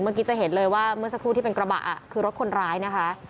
จะเห็นเลยว่าเมื่อสักครู่ที่เป็นกระบะคือรถคนร้ายนะคะ